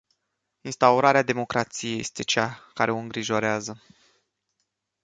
Instaurarea democrației este cea care o îngrijorează.